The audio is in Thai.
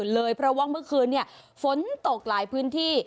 เลยเพราะว่าเมื่อคืนฝนตกหลายพื้นที่